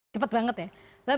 cepet banget ya